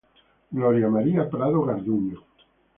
Gloria María Prado Garduño.